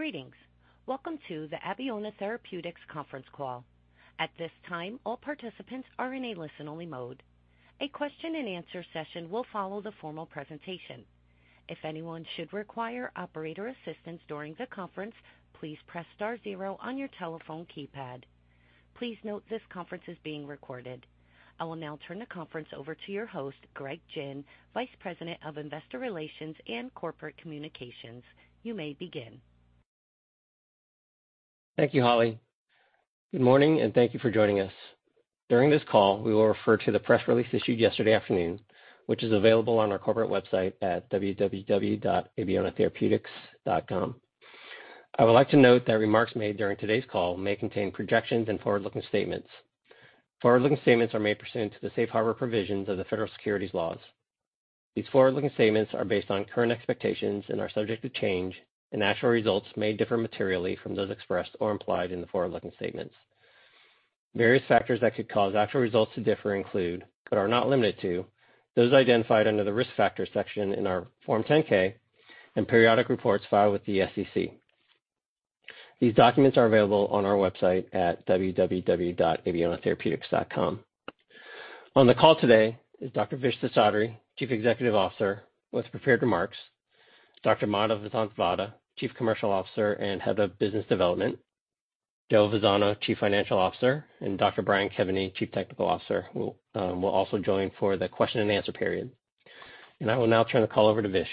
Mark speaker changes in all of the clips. Speaker 1: Greetings. Welcome to the Abeona Therapeutics conference call. At this time, all participants are in a listen-only mode. A question-and-answer session will follow the formal presentation. If anyone should require operator assistance during the conference, please press star zero on your telephone keypad. Please note this conference is being recorded. I will now turn the conference over to your host, Greg Gin, Vice President of Investor Relations and Corporate Communications. You may begin.
Speaker 2: Thank you, Holly. Good morning, and thank you for joining us. During this call, we will refer to the press release issued yesterday afternoon, which is available on our corporate website at www.abeonatherapeutics.com. I would like to note that remarks made during today's call may contain projections and forward-looking statements. Forward-looking statements are made pursuant to the safe harbor provisions of the Federal Securities laws. These forward-looking statements are based on current expectations and are subject to change, and actual results may differ materially from those expressed or implied in the forward-looking statements. Various factors that could cause actual results to differ include, but are not limited to, those identified under the Risk Factors section in our Form 10-K and periodic reports filed with the SEC. These documents are available on our website at www.abeonatherapeutics.com. On the call today is Dr. Vish Seshadri, Chief Executive Officer, with prepared remarks, Dr. Madhav Vasanthavada, Chief Commercial Officer and Head of Business Development, Joe Vazzano, Chief Financial Officer, and Dr. Brian Kevany, Chief Technical Officer, will also join for the question-and-answer period. I will now turn the call over to Vish.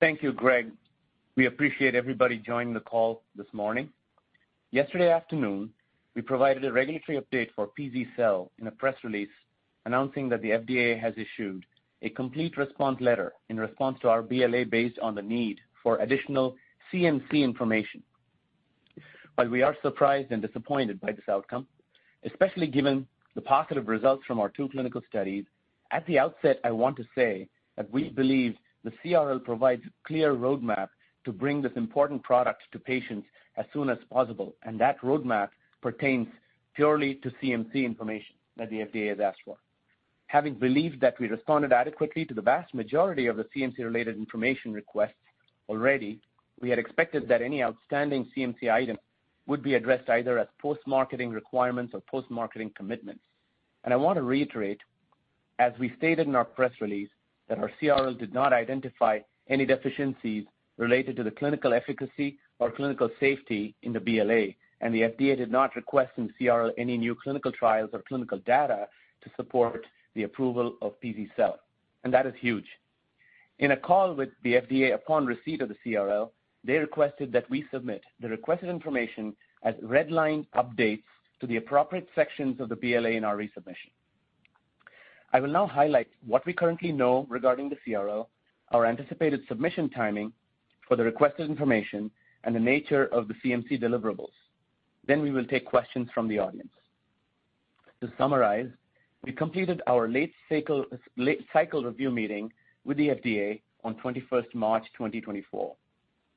Speaker 3: Thank you, Greg. We appreciate everybody joining the call this morning. Yesterday afternoon, we provided a regulatory update for pz-cel in a press release announcing that the FDA has issued a Complete Response Letter in response to our BLA based on the need for additional CMC information. While we are surprised and disappointed by this outcome, especially given the positive results from our two clinical studies, at the outset, I want to say that we believe the CRL provides a clear roadmap to bring this important product to patients as soon as possible, and that roadmap pertains purely to CMC information that the FDA has asked for. Having believed that we responded adequately to the vast majority of the CMC-related information requests already, we had expected that any outstanding CMC items would be addressed either as post-marketing requirements or post-marketing commitments. I want to reiterate, as we stated in our press release, that our CRL did not identify any deficiencies related to the clinical efficacy or clinical safety in the BLA, and the FDA did not request in CRL any new clinical trials or clinical data to support the approval of pz-cel, and that is huge. In a call with the FDA upon receipt of the CRL, they requested that we submit the requested information as red line updates to the appropriate sections of the BLA in our resubmission. I will now highlight what we currently know regarding the CRL, our anticipated submission timing for the requested information, and the nature of the CMC deliverables. Then we will take questions from the audience. To summarize, we completed our late cycle review meeting with the FDA on March 21st 2024.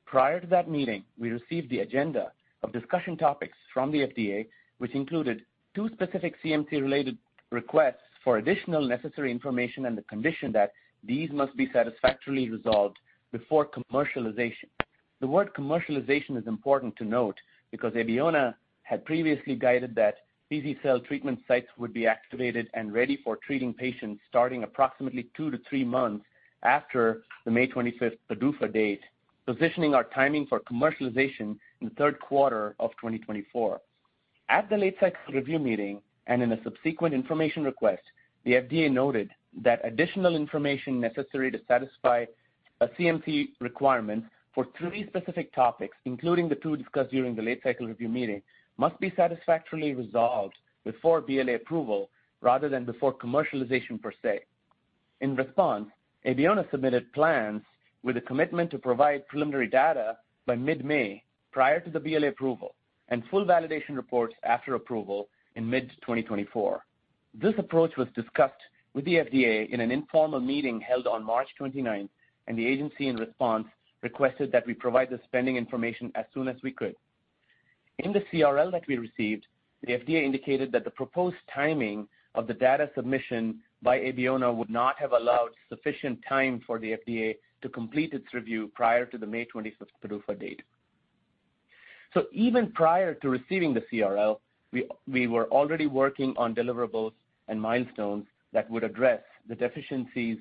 Speaker 3: Prior to that meeting, we received the agenda of discussion topics from the FDA, which included two specific CMC-related requests for additional necessary information and the condition that these must be satisfactorily resolved before commercialization. The word commercialization is important to note because Abeona had previously guided that pz-cel treatment sites would be activated and ready for treating patients starting approximately two to three months after the May 25 PDUFA date, positioning our timing for commercialization in the third quarter of 2024. At the late-cycle review meeting and in a subsequent information request, the FDA noted that additional information necessary to satisfy a CMC requirement for three specific topics, including the two discussed during the late-cycle review meeting, must be satisfactorily resolved before BLA approval rather than before commercialization per se. In response, Abeona submitted plans with a commitment to provide preliminary data by mid-May, prior to the BLA approval, and full validation reports after approval in mid-2024. This approach was discussed with the FDA in an informal meeting held on March 29, and the agency, in response, requested that we provide this pending information as soon as we could. In the CRL that we received, the FDA indicated that the proposed timing of the data submission by Abeona would not have allowed sufficient time for the FDA to complete its review prior to the May 25 PDUFA date. So even prior to receiving the CRL, we were already working on deliverables and milestones that would address the deficiencies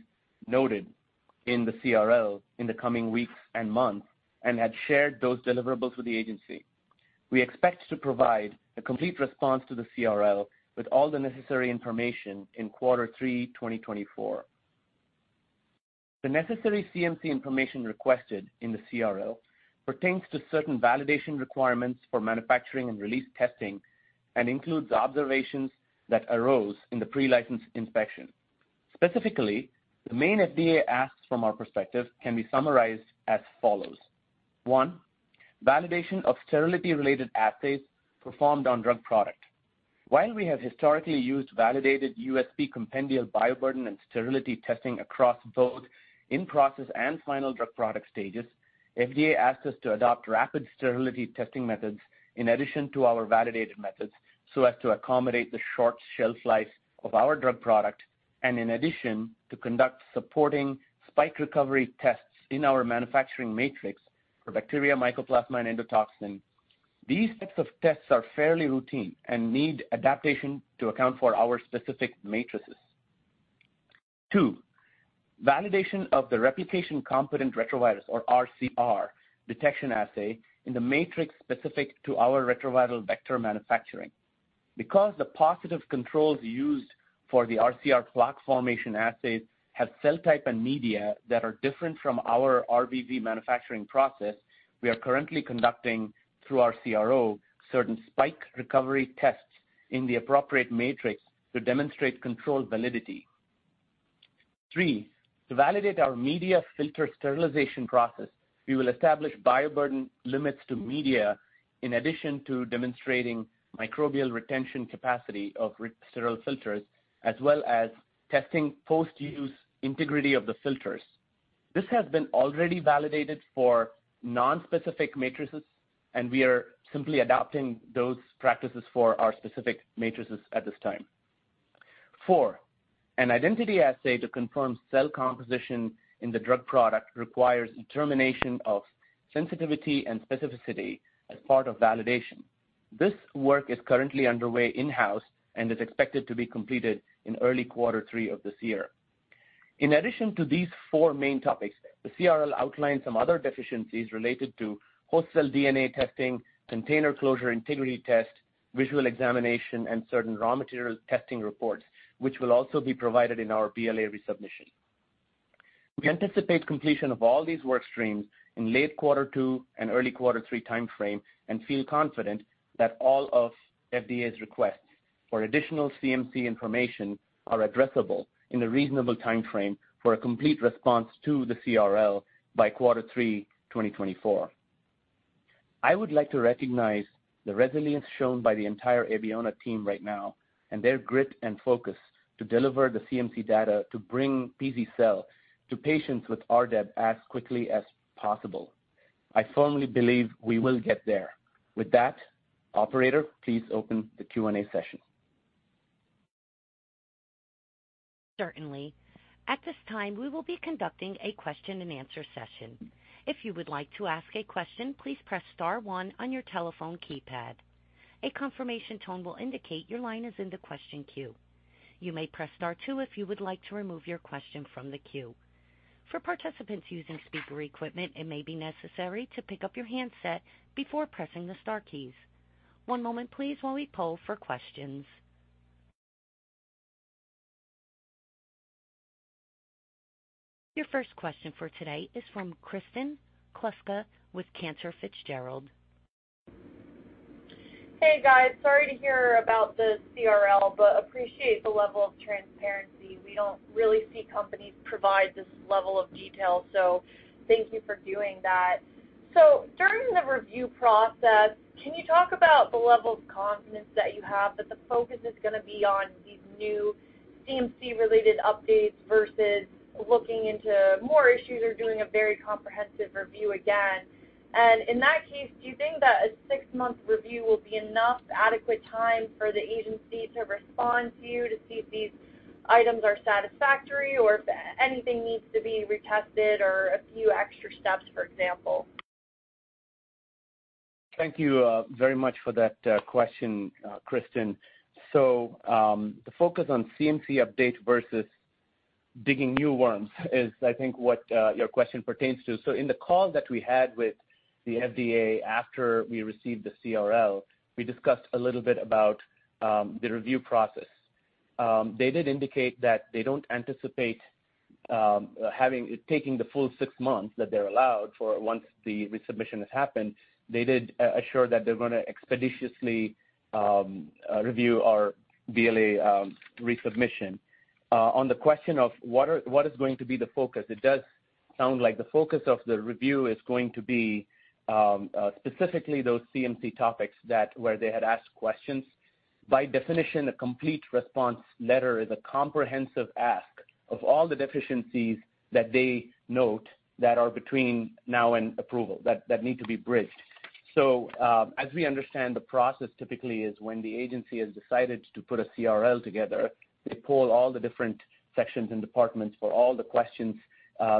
Speaker 3: noted in the CRL in the coming weeks and months and had shared those deliverables with the agency. We expect to provide a complete response to the CRL with all the necessary information in quarter three 2024. The necessary CMC information requested in the CRL pertains to certain validation requirements for manufacturing and release testing and includes observations that arose in the pre-license inspection. Specifically, the main FDA asks from our perspective can be summarized as follows. One, validation of sterility-related assays performed on drug product. While we have historically used validated USP compendial bioburden and sterility testing across both in-process and final drug product stages, FDA asked us to adopt rapid sterility testing methods in addition to our validated methods, so as to accommodate the short shelf life of our drug product. And in addition, to conduct supporting spike recovery tests in our manufacturing matrix for bacteria, mycoplasma, and endotoxin. These types of tests are fairly routine and need adaptation to account for our specific matrices. two, validation of the replication-competent retrovirus, or RCR, detection assay in the matrix specific to our retroviral vector manufacturing. Because the positive controls used for the RCR plaque formation assays have cell type and media that are different from our RVV manufacturing process, we are currently conducting, through our CRO, certain spike recovery tests in the appropriate matrix to demonstrate controlled validity. Three, to validate our media filter sterilization process, we will establish bioburden limits to media in addition to demonstrating microbial retention capacity of sterile filters, as well as testing post-use integrity of the filters. This has been already validated for nonspecific matrices, and we are simply adapting those practices for our specific matrices at this time. four, an identity assay to confirm cell composition in the drug product requires determination of sensitivity and specificity as part of validation. This work is currently underway in-house and is expected to be completed in early quarter three of this year. In addition to these four main topics, the CRL outlined some other deficiencies related to host cell DNA testing, container closure integrity test, visual examination, and certain raw material testing reports, which will also be provided in our BLA resubmission. We anticipate completion of all these work streams in late quarter two and early quarter three time frame, and feel confident that all of FDA's requests for additional CMC information are addressable in a reasonable time frame for a complete response to the CRL by quarter three, 2024. I would like to recognize the resilience shown by the entire Abeona team right now and their grit and focus to deliver the CMC data to bring pz-cel to patients with RDEB as quickly as possible. I firmly believe we will get there. With that, operator, please open the Q&A session.
Speaker 1: Certainly. At this time, we will be conducting a question-and-answer session. If you would like to ask a question, please press star one on your telephone keypad. A confirmation tone will indicate your line is in the question queue. You may press star two if you would like to remove your question from the queue. For participants using speaker equipment, it may be necessary to pick up your handset before pressing the star keys. One moment please while we poll for questions. Your first question for today is from Kristen Kluska with Cantor Fitzgerald.
Speaker 4: Hey, guys. Sorry to hear about the CRL, but appreciate the level of transparency. We don't really see companies provide this level of detail, so thank you for doing that. So during the review process, can you talk about the level of confidence that you have that the focus is going to be on these new CMC-related updates versus looking into more issues or doing a very comprehensive review again? And in that case, do you think that a six-month review will be enough adequate time for the agency to respond to you to see if these items are satisfactory or if anything needs to be retested or a few extra steps, for example?
Speaker 3: Thank you, very much for that question, Kristin. So, the focus on CMC updates versus digging new worms is I think what your question pertains to. So in the call that we had with the FDA after we received the CRL, we discussed a little bit about the review process. They did indicate that they don't anticipate taking the full six months that they're allowed for once the resubmission has happened. They did assure that they're going to expeditiously review our BLA resubmission. On the question of what is going to be the focus, it does sound like the focus of the review is going to be specifically those CMC topics that were they had asked questions. By definition, a complete response letter is a comprehensive ask of all the deficiencies that they note that are between now and approval, that need to be bridged. So, as we understand, the process typically is when the agency has decided to put a CRL together, they pull all the different sections and departments for all the questions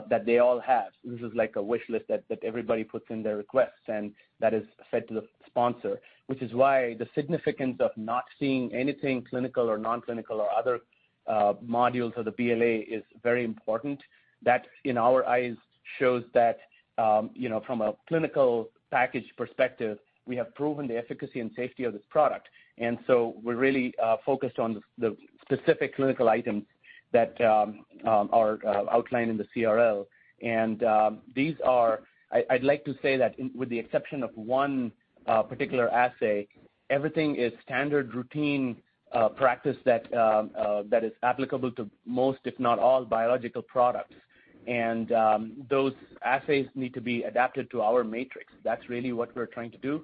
Speaker 3: that they all have. This is like a wish list that everybody puts in their requests, and that is fed to the sponsor, which is why the significance of not seeing anything clinical or non-clinical or other modules of the BLA is very important. That, in our eyes, shows that, you know, from a clinical package perspective, we have proven the efficacy and safety of this product. And so we're really focused on the specific clinical items that are outlined in the CRL. And these are... I'd like to say that with the exception of one particular assay, everything is standard routine practice that is applicable to most, if not all, biological products. And those assays need to be adapted to our matrix. That's really what we're trying to do.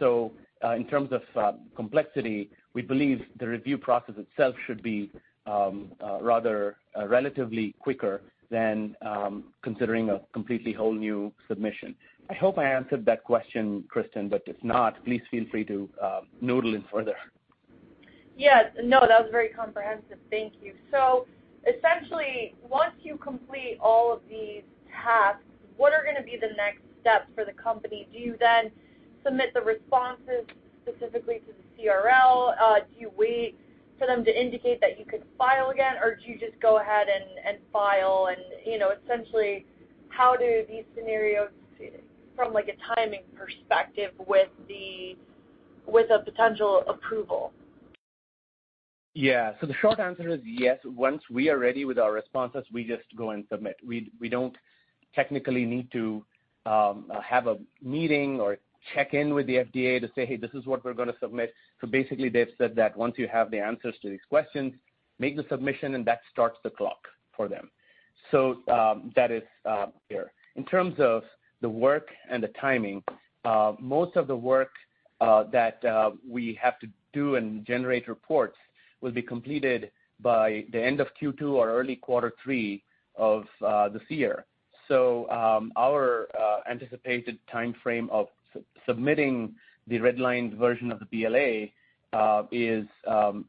Speaker 3: So in terms of complexity, we believe the review process itself should be rather relatively quicker than considering a completely whole new submission. I hope I answered that question, Kristin, but if not, please feel free to noodle in further....
Speaker 4: Yes. No, that was very comprehensive. Thank you. So essentially, once you complete all of these tasks, what are gonna be the next steps for the company? Do you then submit the responses specifically to the CRL? Do you wait for them to indicate that you could file again, or do you just go ahead and file and, you know, essentially, how do these scenarios from, like, a timing perspective with the- with a potential approval?
Speaker 3: Yeah. So the short answer is yes. Once we are ready with our responses, we just go and submit. We don't technically need to have a meeting or check in with the FDA to say, "Hey, this is what we're gonna submit." So basically, they've said that once you have the answers to these questions, make the submission, and that starts the clock for them. So that is clear. In terms of the work and the timing, most of the work that we have to do and generate reports will be completed by the end of Q2 or early quarter three of this year. So our anticipated time frame of submitting the redlined version of the BLA is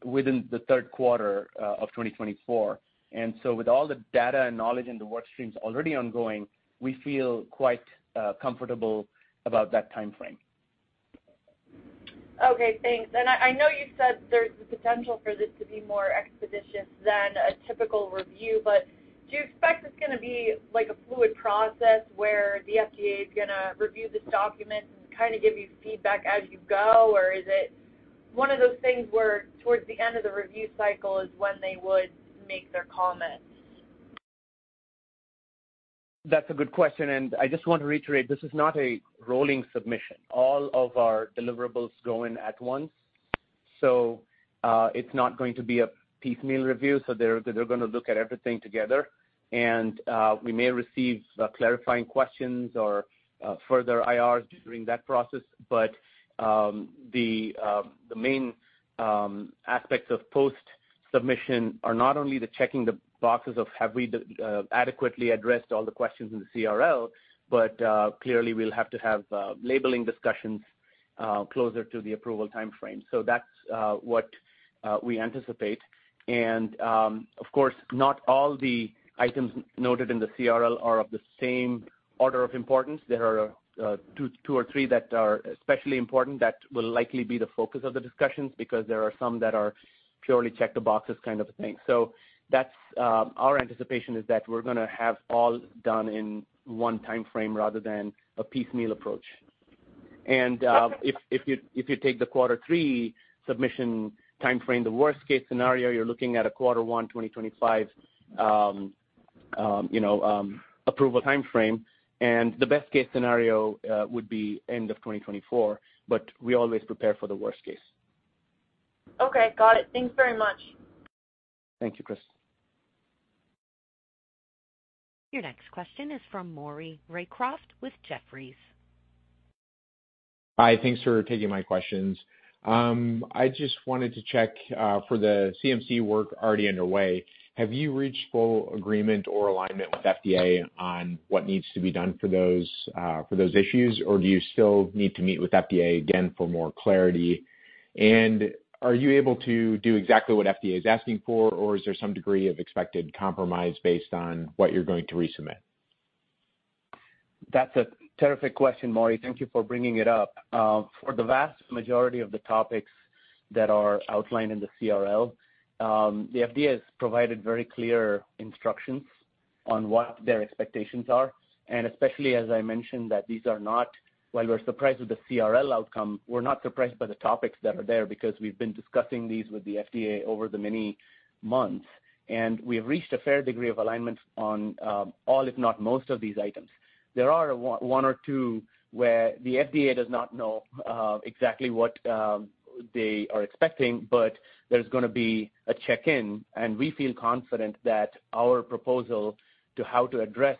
Speaker 3: within the third quarter of 2024. And so with all the data and knowledge and the work streams already ongoing, we feel quite comfortable about that time frame.
Speaker 4: Okay, thanks. I know you said there's the potential for this to be more expeditious than a typical review, but do you expect it's gonna be like a fluid process where the FDA is gonna review this document and kind of give you feedback as you go? Or is it one of those things where towards the end of the review cycle is when they would make their comments?
Speaker 3: That's a good question, and I just want to reiterate, this is not a rolling submission. All of our deliverables go in at once, so, it's not going to be a piecemeal review, so they're, they're gonna look at everything together. And, we may receive clarifying questions or, further IRs during that process, but, the, the main, aspects of post-submission are not only the checking the boxes of have we, adequately addressed all the questions in the CRL, but, clearly we'll have to have, labeling discussions, closer to the approval time frame. So that's, what, we anticipate. And, of course, not all the items noted in the CRL are of the same order of importance. There are two, two or three that are especially important that will likely be the focus of the discussions because there are some that are purely check-the-boxes kind of a thing. So that's our anticipation is that we're gonna have all done in one time frame rather than a piecemeal approach. And if you take the quarter three submission time frame, the worst-case scenario, you're looking at a quarter one 2025, you know, approval time frame, and the best-case scenario would be end of 2024, but we always prepare for the worst case.
Speaker 4: Okay, got it. Thanks very much.
Speaker 3: Thank you, Chris.
Speaker 1: Your next question is from Maury Raycroft with Jefferies.
Speaker 5: Hi, thanks for taking my questions. I just wanted to check, for the CMC work already underway, have you reached full agreement or alignment with FDA on what needs to be done for those, for those issues, or do you still need to meet with FDA again for more clarity? And are you able to do exactly what FDA is asking for, or is there some degree of expected compromise based on what you're going to resubmit?
Speaker 3: That's a terrific question, Maury. Thank you for bringing it up. For the vast majority of the topics that are outlined in the CRL, the FDA has provided very clear instructions on what their expectations are, and especially as I mentioned, that these are not - while we're surprised with the CRL outcome, we're not surprised by the topics that are there because we've been discussing these with the FDA over the many months, and we have reached a fair degree of alignment on, all, if not most of these items. There are one or two where the FDA does not know, exactly what, they are expecting, but there's gonna be a check-in, and we feel confident that our proposal to how to address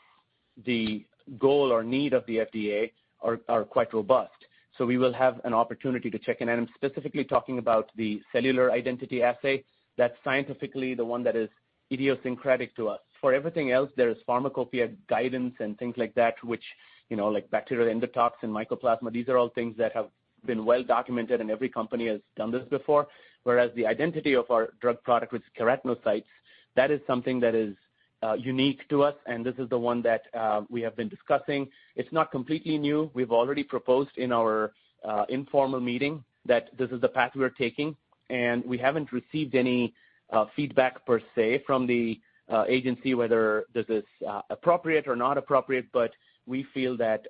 Speaker 3: the goal or need of the FDA are, are quite robust. So we will have an opportunity to check in, and I'm specifically talking about the cellular identity assay. That's scientifically the one that is idiosyncratic to us. For everything else, there is pharmacopoeia guidance and things like that, which, you know, like bacterial endotoxin, mycoplasma, these are all things that have been well documented, and every company has done this before. Whereas the identity of our drug product, which is keratocytes, that is something that is unique to us, and this is the one that we have been discussing. It's not completely new. We've already proposed in our informal meeting that this is the path we are taking, and we haven't received any feedback per se from the agency whether this is appropriate or not appropriate, but we feel that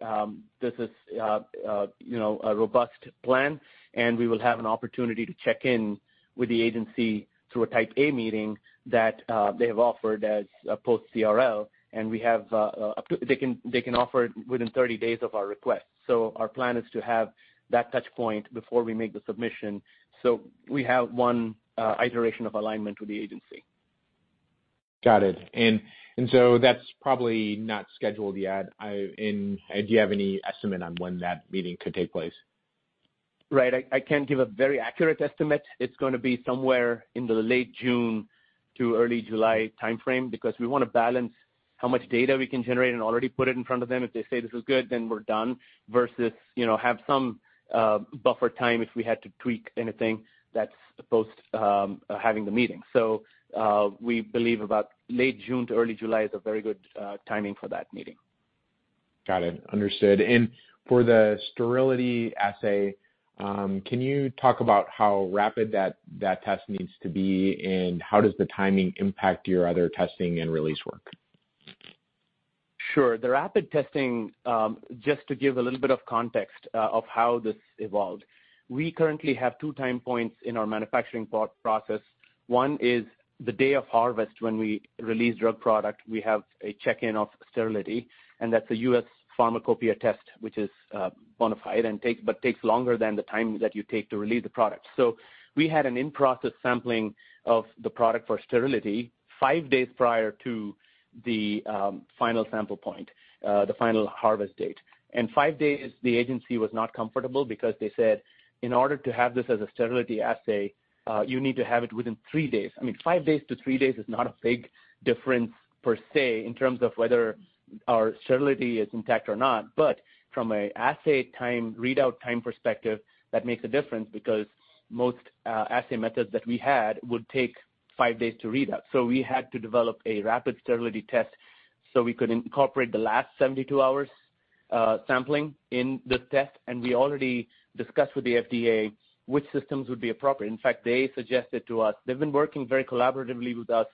Speaker 3: this is you know a robust plan, and we will have an opportunity to check in with the agency through a Type A Meeting that they have offered as a post-CRL, and we have up to... They can offer it within 30 days of our request. So our plan is to have that touch point before we make the submission, so we have one iteration of alignment with the agency.
Speaker 5: Got it. And so that's probably not scheduled yet. And do you have any estimate on when that meeting could take place?
Speaker 3: Right. I can't give a very accurate estimate. It's gonna be somewhere in the late June to early July time frame because we want to balance how much data we can generate and already put it in front of them. If they say this is good, then we're done, versus, you know, have some buffer time if we had to tweak anything that's post having the meeting. So, we believe about late June to early July is a very good timing for that meeting.
Speaker 5: Got it. Understood. And for the sterility assay, can you talk about how rapid that test needs to be, and how does the timing impact your other testing and release work?
Speaker 3: Sure. The rapid testing, just to give a little bit of context, of how this evolved. We currently have two time points in our manufacturing process. One is the day of harvest when we release drug product, we have a check-in of sterility, and that's a U.S. Pharmacopeia test, which is bona fide and takes but takes longer than the time that you take to release the product. So we had an in-process sampling of the product for sterility five days prior to the final sample point, the final harvest date. Five days, the agency was not comfortable because they said, "In order to have this as a sterility assay, you need to have it within three days." I mean, five days to three days is not a big difference per se, in terms of whether our sterility is intact or not, but from an assay time, readout time perspective, that makes a difference because most assay methods that we had would take five days to read out. So we had to develop a rapid sterility test so we could incorporate the last 72 hours sampling in this test, and we already discussed with the FDA which systems would be appropriate. In fact, they suggested to us... They've been working very collaboratively with us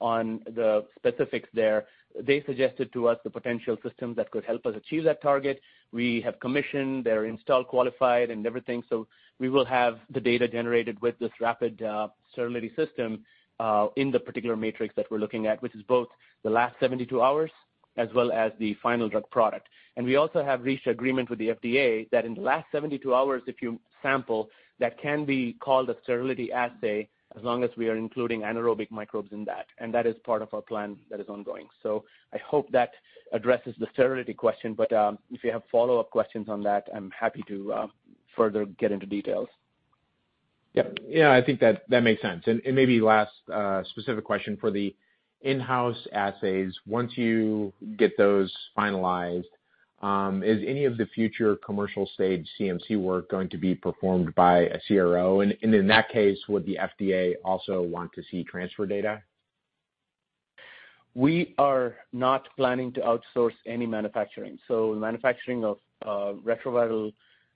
Speaker 3: on the specifics there. They suggested to us the potential system that could help us achieve that target. We have commissioned, they're installed, qualified, and everything, so we will have the data generated with this rapid sterility system in the particular matrix that we're looking at, which is both the last 72 hours as well as the final drug product. We also have reached agreement with the FDA that in the last 72 hours, if you sample, that can be called a sterility assay, as long as we are including anaerobic microbes in that, and that is part of our plan that is ongoing. I hope that addresses the sterility question, but if you have follow-up questions on that, I'm happy to further get into details.
Speaker 5: Yep. Yeah, I think that, that makes sense. And, and maybe last specific question for the in-house assays. Once you get those finalized, is any of the future commercial-stage CMC work going to be performed by a CRO? And, and in that case, would the FDA also want to see transfer data?
Speaker 3: We are not planning to outsource any manufacturing. So manufacturing of retroviral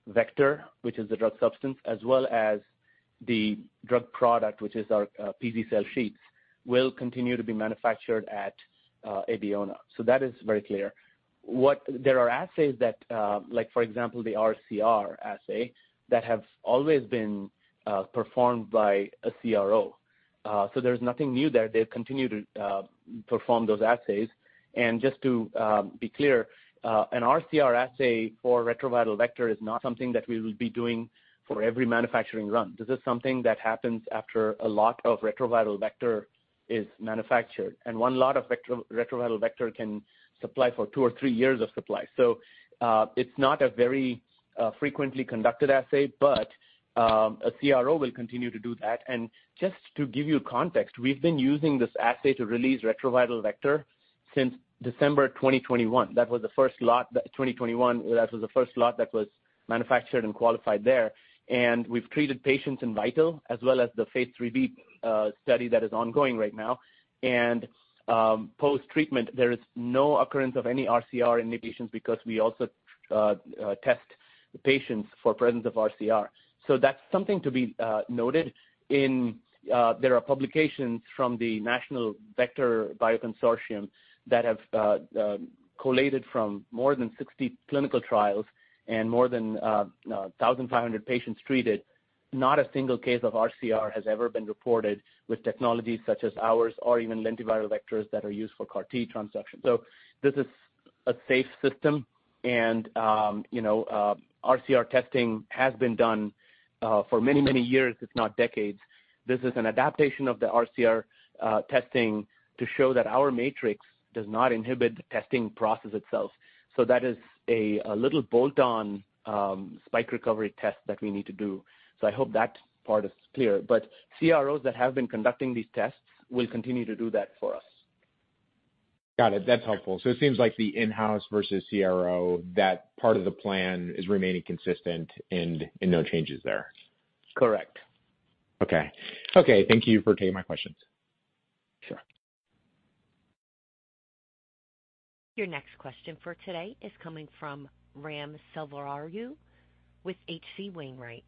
Speaker 3: vector, which is the drug substance, as well as the drug product, which is our pz-cel sheets, will continue to be manufactured at Abeona. So that is very clear. There are assays that, like, for example, the RCR assay, that have always been performed by a CRO. So there's nothing new there. They've continued to perform those assays. And just to be clear, an RCR assay for retroviral vector is not something that we will be doing for every manufacturing run. This is something that happens after a lot of retroviral vector is manufactured, and one lot of retroviral vector can supply for two or three years of supply. So, it's not a very frequently conducted assay, but a CRO will continue to do that. And just to give you context, we've been using this assay to release retroviral vector since December 2021. That was the first lot, that 2021, that was the first lot that was manufactured and qualified there. And we've treated patients in VITAL as well as the phase III-B study that is ongoing right now. And post-treatment, there is no occurrence of any RCR in the patients because we also test the patients for presence of RCR. So that's something to be noted. In there are publications from the National Vector Bioconsortium that have collated from more than 60 clinical trials and more than 1,500 patients treated. Not a single case of RCR has ever been reported with technologies such as ours or even lentiviral vectors that are used for CAR T transduction. So this is a safe system, and, you know, RCR testing has been done, for many, many years, if not decades. This is an adaptation of the RCR testing to show that our matrix does not inhibit the testing process itself. So that is a little bolt-on spike recovery test that we need to do. So I hope that part is clear. But CROs that have been conducting these tests will continue to do that for us.
Speaker 5: Got it. That's helpful. So it seems like the in-house versus CRO, that part of the plan is remaining consistent and no changes there.
Speaker 3: Correct.
Speaker 5: Okay. Okay, thank you for taking my questions.
Speaker 3: Sure.
Speaker 1: Your next question for today is coming from Ram Selvaraju with H.C. Wainwright.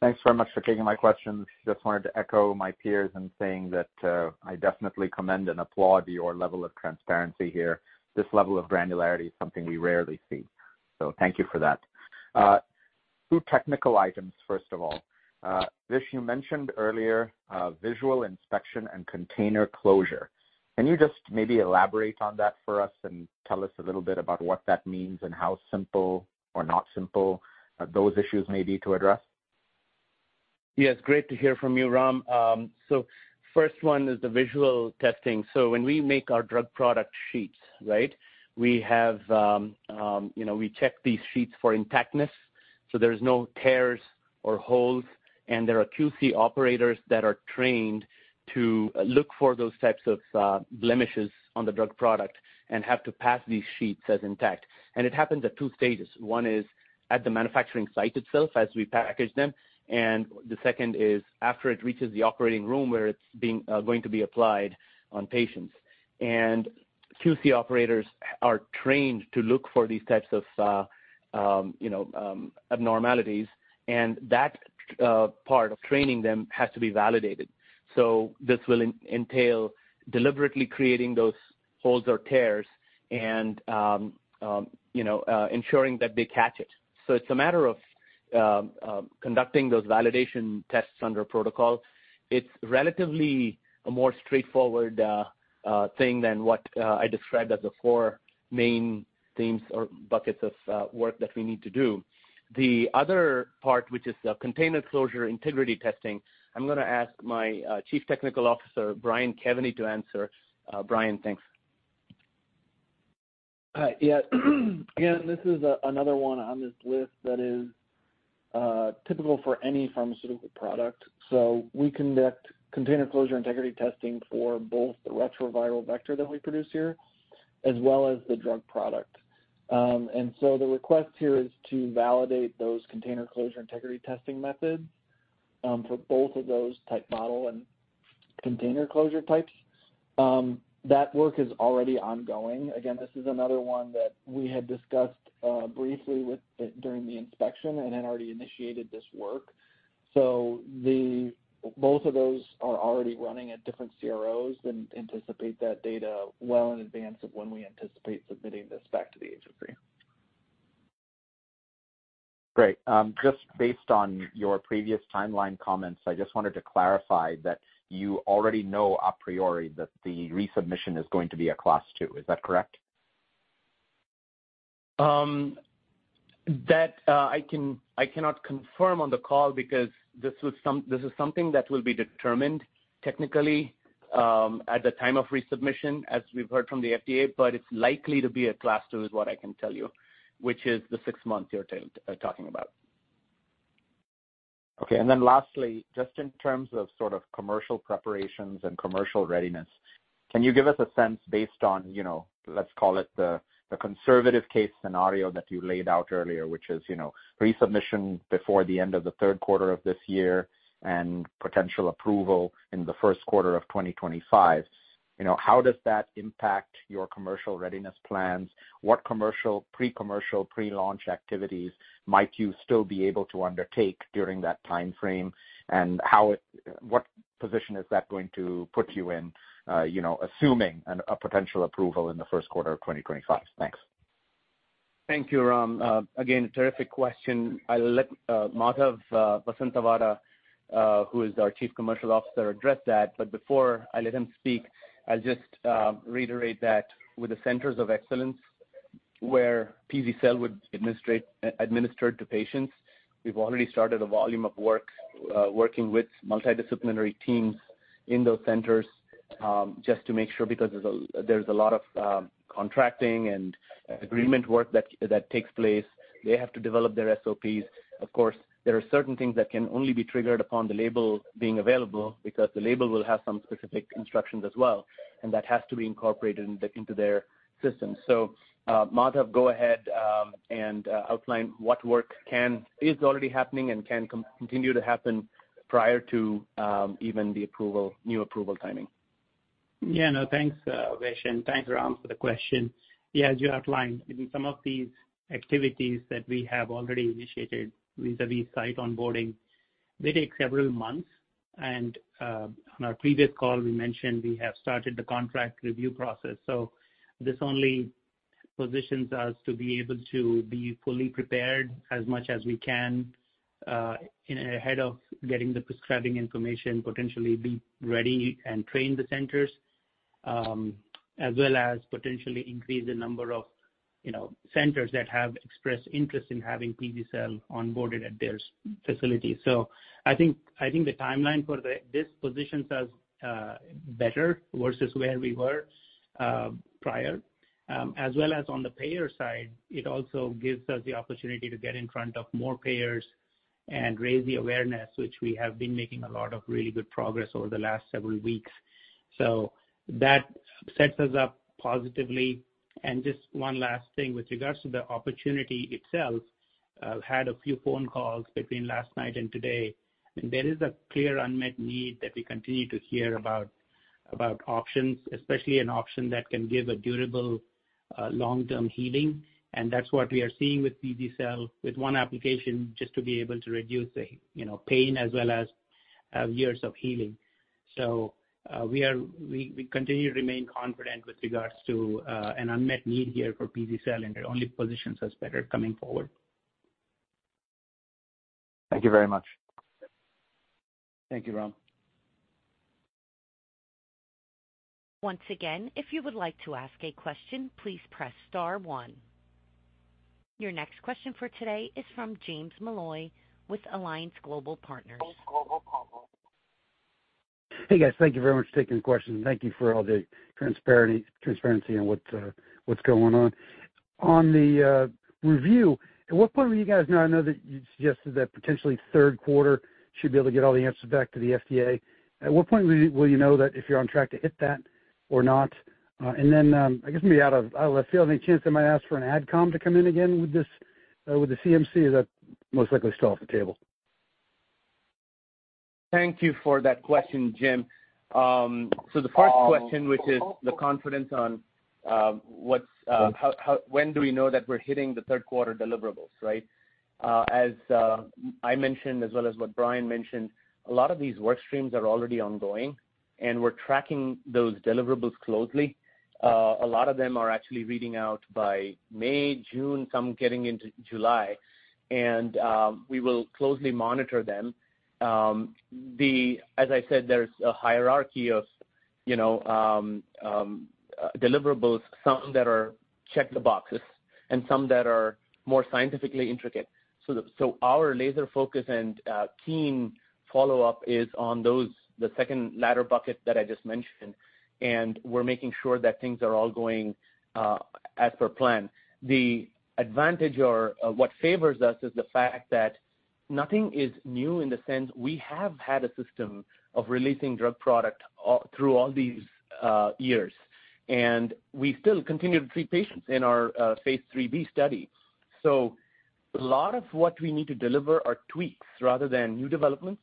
Speaker 6: Thanks very much for taking my questions. Just wanted to echo my peers in saying that, I definitely commend and applaud your level of transparency here. This level of granularity is something we rarely see, so thank you for that. Two technical items, first of all. Vish, you mentioned earlier, visual inspection and container closure. Can you just maybe elaborate on that for us and tell us a little bit about what that means and how simple or not simple those issues may be to address? ...
Speaker 3: Yes, great to hear from you, Ram. So first one is the visual testing. So when we make our drug product sheets, right, we have, you know, we check these sheets for intactness, so there's no tears or holes, and there are QC operators that are trained to look for those types of blemishes on the drug product and have to pass these sheets as intact. And it happens at two stages. One is at the manufacturing site itself, as we package them, and the second is after it reaches the operating room, where it's being going to be applied on patients. And QC operators are trained to look for these types of abnormalities, and that part of training them has to be validated. So this will entail deliberately creating those holes or tears and, you know, ensuring that they catch it. So it's a matter of conducting those validation tests under protocol. It's relatively a more straightforward thing than what I described as the four main themes or buckets of work that we need to do. The other part, which is the container closure integrity testing, I'm gonna ask my Chief Technical Officer, Brian Kevany, to answer. Brian, thanks.
Speaker 7: Hi, yeah. Again, this is another one on this list that is typical for any pharmaceutical product. So we conduct container closure integrity testing for both the retroviral vector that we produce here, as well as the drug product. And so the request here is to validate those container closure integrity testing methods for both of those type model and container closure types. That work is already ongoing. Again, this is another one that we had discussed briefly with during the inspection and had already initiated this work. So both of those are already running at different CROs and anticipate that data well in advance of when we anticipate submitting this back to the agency.
Speaker 6: Great. Just based on your previous timeline comments, I just wanted to clarify that you already know a priori that the resubmission is going to be a Class II, is that correct?
Speaker 7: That, I cannot confirm on the call because this is something that will be determined technically, at the time of resubmission, as we've heard from the FDA, but it's likely to be a Class II, is what I can tell you, which is the six months you're talking about.
Speaker 6: Okay. And then lastly, just in terms of sort of commercial preparations and commercial readiness, can you give us a sense based on, you know, let's call it the conservative case scenario that you laid out earlier, which is, you know, resubmission before the end of the third quarter of this year and potential approval in the first quarter of 2025. You know, how does that impact your commercial readiness plans? What commercial, pre-commercial, pre-launch activities might you still be able to undertake during that timeframe? And how it—what position is that going to put you in, you know, assuming a potential approval in the first quarter of 2025? Thanks.
Speaker 3: Thank you, Ram. Again, terrific question. I'll let Madhav Vasanthavada, who is our Chief Commercial Officer, address that, but before I let him speak, I'll just reiterate that with the centers of excellence where pz-cel would administrate, administer to patients, we've already started a volume of work, working with multidisciplinary teams in those centers, just to make sure, because there's a, there's a lot of contracting and agreement work that takes place. They have to develop their SOPs. Of course, there are certain things that can only be triggered upon the label being available, because the label will have some specific instructions as well, and that has to be incorporated into their system. Madhav, go ahead and outline what work is already happening and can continue to happen prior to even the new approval timing.
Speaker 8: Yeah, no, thanks, Vish, and thanks, Ram, for the question. Yeah, as you outlined, some of these activities that we have already initiated vis-à-vis site onboarding, they take several months. And, on our previous call, we mentioned we have started the contract review process. So this only positions us to be able to be fully prepared as much as we can, in ahead of getting the prescribing information, potentially be ready and train the centers, as well as potentially increase the number of, you know, centers that have expressed interest in having pz-cel onboarded at their facility. So I think, I think the timeline for the -- this positions us, better versus where we were, prior. As well as on the payer side, it also gives us the opportunity to get in front of more payers and raise the awareness, which we have been making a lot of really good progress over the last several weeks. So that sets us up positively. And just one last thing, with regards to the opportunity itself, had a few phone calls between last night and today, and there is a clear unmet need that we continue to hear about, about options, especially an option that can give a durable, long-term healing. And that's what we are seeing with pz-cel, with one application, just to be able to reduce the, you know, pain as well as years of healing. So, we continue to remain confident with regards to an unmet need here for pz-cel, and it only positions us better coming forward.
Speaker 6: Thank you very much.
Speaker 8: Thank you, Ram....
Speaker 1: Once again, if you would like to ask a question, please press star one. Your next question for today is from James Molloy with Alliance Global Partners.
Speaker 9: Hey, guys. Thank you very much for taking the question. Thank you for all the transparency on what's going on. On the review, at what point will you guys know? I know that you suggested that potentially third quarter should be able to get all the answers back to the FDA. At what point will you know that if you're on track to hit that or not? And then, I guess, maybe out of left field, any chance they might ask for an ad com to come in again with this, with the CMC, is that most likely still off the table?
Speaker 3: Thank you for that question, Jim. So the first question, which is the confidence on, what's, how—when do we know that we're hitting the third quarter deliverables, right? As I mentioned, as well as what Brian mentioned, a lot of these work streams are already ongoing, and we're tracking those deliverables closely. A lot of them are actually reading out by May, June, some getting into July, and we will closely monitor them. The—as I said, there's a hierarchy of, you know, deliverables, some that are check the boxes and some that are more scientifically intricate. So our laser focus and keen follow-up is on those, the second latter bucket that I just mentioned, and we're making sure that things are all going as per plan. The advantage or, what favors us is the fact that nothing is new in the sense we have had a system of releasing drug product all through all these years, and we still continue to treat patients in our phase III-B study. So a lot of what we need to deliver are tweaks rather than new developments,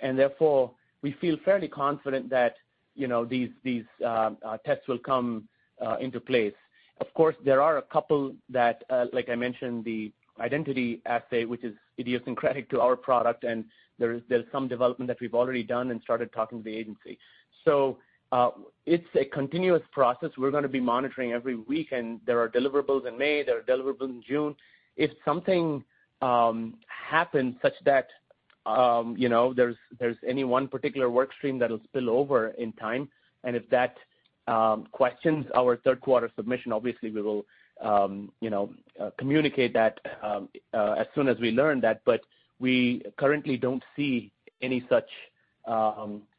Speaker 3: and therefore, we feel fairly confident that, you know, these tests will come into place. Of course, there are a couple that, like I mentioned, the identity assay, which is idiosyncratic to our product, and there's some development that we've already done and started talking to the agency. So, it's a continuous process. We're gonna be monitoring every week, and there are deliverables in May, there are deliverables in June. If something happens, such that, you know, there's any one particular work stream that will spill over in time, and if that questions our third quarter submission, obviously we will, you know, communicate that as soon as we learn that. But we currently don't see any such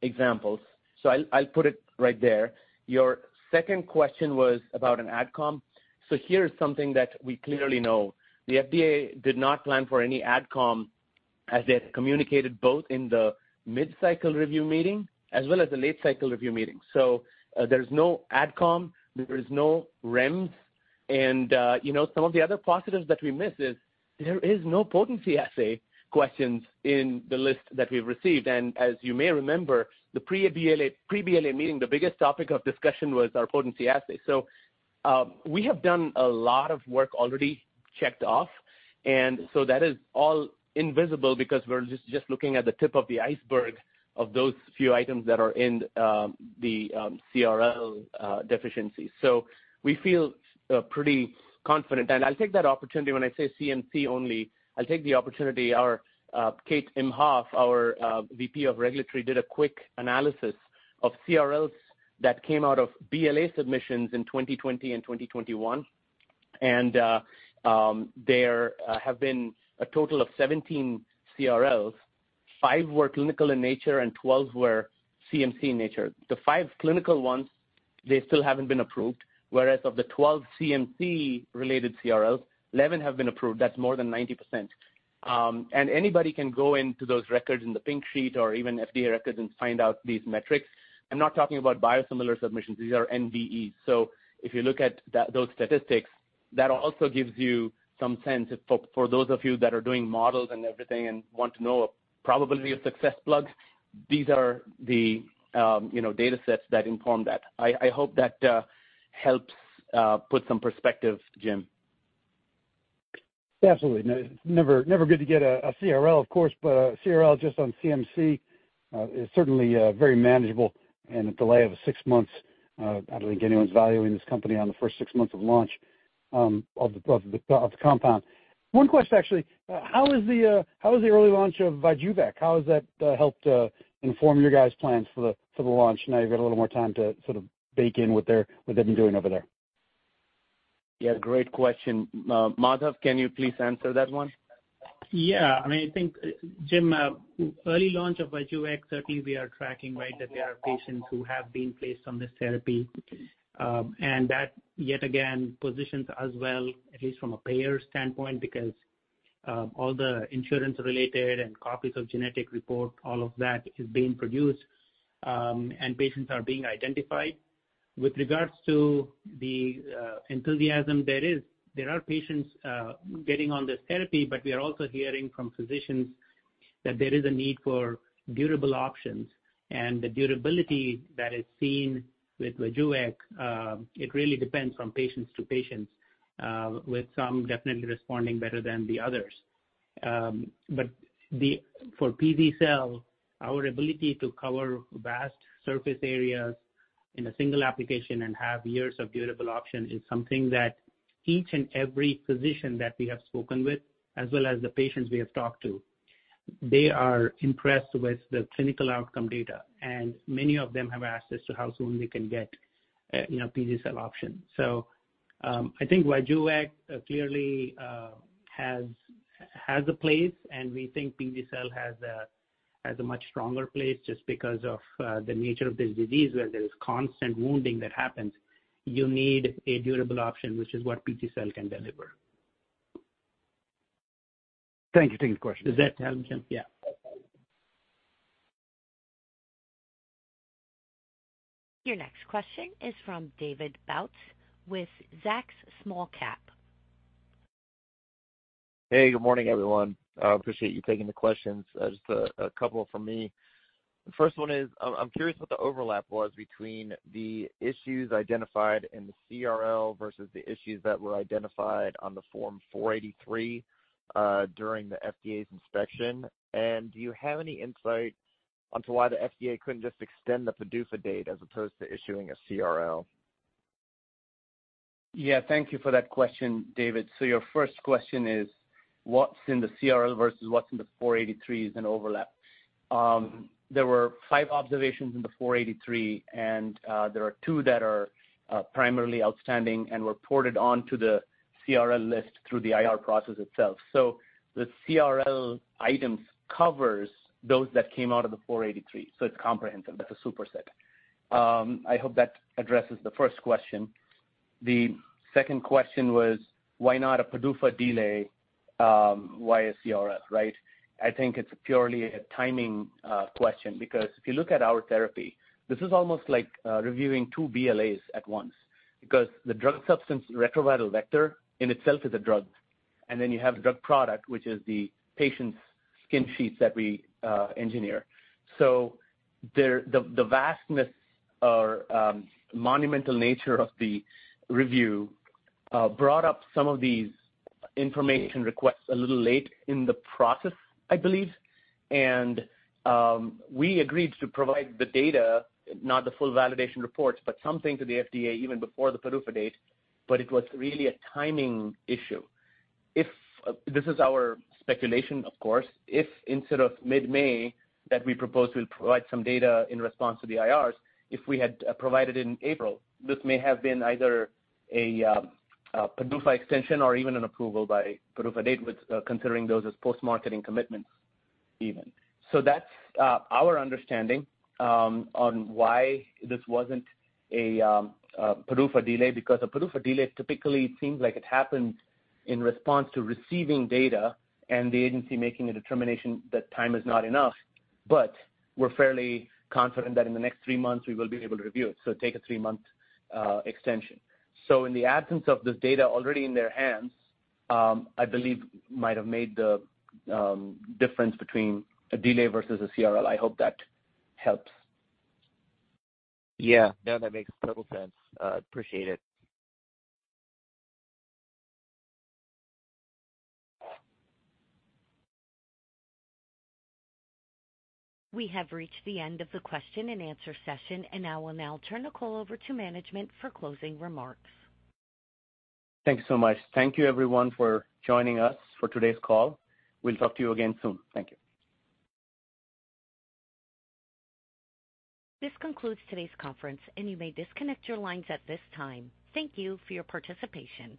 Speaker 3: examples. So I'll put it right there. Your second question was about an adcom. So here's something that we clearly know. The FDA did not plan for any adcom, as they had communicated both in the mid-cycle review meeting as well as the late-cycle review meeting. So, there's no adcom, there's no REMS. And, you know, some of the other positives that we missed is there is no potency assay questions in the list that we've received. As you may remember, the pre-BLA, pre-BLA meeting, the biggest topic of discussion was our potency assay. So, we have done a lot of work already checked off, and so that is all invisible because we're just, just looking at the tip of the iceberg of those few items that are in, the CRL deficiencies. So we feel pretty confident. I'll take that opportunity when I say CMC only, I'll take the opportunity. Our Kate Imhof, our VP of Regulatory, did a quick analysis of CRLs that came out of BLA submissions in 2020 and 2021, and there have been a total of 17 CRLs. Five were clinical in nature and 12 were CMC in nature. The five clinical ones, they still haven't been approved, whereas of the 12 CMC-related CRL, 11 have been approved. That's more than 90%. And anybody can go into those records in the Pink Sheet or even FDA records and find out these metrics. I'm not talking about biosimilar submissions. These are NDAs. So if you look at that, those statistics, that also gives you some sense for those of you that are doing models and everything and want to know a probability of success plugs, these are the, you know, data sets that inform that. I hope that helps put some perspective, Jim.
Speaker 9: Absolutely. Never, never good to get a CRL, of course, but a CRL just on CMC is certainly very manageable and a delay of six months. I don't think anyone's valuing this company on the first six months of launch of the compound. One question, actually. How is the early launch of Vyjuvek? How has that helped inform your guys' plans for the launch? Now you've got a little more time to sort of bake in what they've been doing over there.
Speaker 3: Yeah, great question. Madhav, can you please answer that one?
Speaker 8: Yeah. I mean, Jim, early launch of Vyjuvek, certainly we are tracking, right, that there are patients who have been placed on this therapy. And that yet again, positions us well, at least from a payer standpoint, because all the insurance related and copies of genetic report, all of that is being produced, and patients are being identified. With regards to the enthusiasm, there are patients getting on this therapy, but we are also hearing from physicians that there is a need for durable options. And the durability that is seen with Vyjuvek, it really depends from patients to patients, with some definitely responding better than the others. but for pz-cel, our ability to cover vast surface areas in a single application and have years of durable option is something that each and every physician that we have spoken with, as well as the patients we have talked to-... they are impressed with the clinical outcome data, and many of them have asked as to how soon they can get, you know, pz-cel option. So, I think Vyjuvek clearly has a place, and we think pz-cel has a much stronger place just because of the nature of this disease, where there is constant wounding that happens. You need a durable option, which is what pz-cel can deliver.
Speaker 3: Thank you for the question.
Speaker 9: Yeah.
Speaker 1: Your next question is from David Bautz with Zacks Small Cap.
Speaker 10: Hey, good morning, everyone. I appreciate you taking the questions. Just a couple from me. The first one is, I'm curious what the overlap was between the issues identified in the CRL versus the issues that were identified on the Form 483 during the FDA's inspection. And do you have any insight onto why the FDA couldn't just extend the PDUFA date as opposed to issuing a CRL?
Speaker 3: Yeah, thank you for that question, David. So your first question is, what's in the CRL versus what's in the 483s and overlap? There were five observations in the 483, and there are two that are primarily outstanding and were ported on to the CRL list through the IR process itself. So the CRL items covers those that came out of the 483, so it's comprehensive. That's a superset. I hope that addresses the first question. The second question was, why not a PDUFA delay, why a CRL, right? I think it's purely a timing question, because if you look at our therapy, this is almost like reviewing two BLAs at once. Because the drug substance, retroviral vector, in itself is a drug, and then you have the drug product, which is the patient's skin sheets that we engineer. The vastness or monumental nature of the review brought up some of these information requests a little late in the process, I believe. And we agreed to provide the data, not the full validation reports, but something to the FDA, even before the PDUFA date, but it was really a timing issue. If this is our speculation, of course, if instead of mid-May that we propose we'll provide some data in response to the IRs, if we had provided it in April, this may have been either a PDUFA extension or even an approval by PDUFA date, with considering those as post-marketing commitments, even. So that's our understanding on why this wasn't a PDUFA delay, because a PDUFA delay typically seems like it happens in response to receiving data and the agency making a determination that time is not enough. But we're fairly confident that in the next three months we will be able to review it, so take a three-month extension. So in the absence of this data already in their hands, I believe might have made the difference between a delay versus a CRL. I hope that helps.
Speaker 10: Yeah. No, that makes total sense. Appreciate it.
Speaker 1: We have reached the end of the question and answer session, and I will now turn the call over to management for closing remarks.
Speaker 3: Thank you so much. Thank you everyone for joining us for today's call. We'll talk to you again soon. Thank you.
Speaker 1: This concludes today's conference, and you may disconnect your lines at this time. Thank you for your participation.